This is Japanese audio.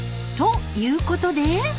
［ということで］